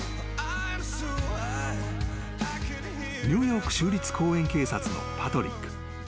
［ニューヨーク州立公園警察のパトリック。